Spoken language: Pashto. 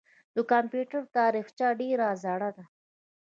د کمپیوټر تاریخچه ډېره زړه ده.